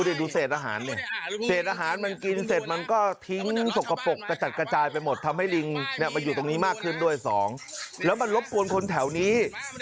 แล้วมันรบตัวคนแถวนี้